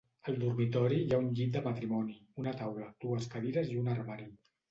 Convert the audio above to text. Al dormitori hi ha un llit de matrimoni, una taula, dues cadires i un armari.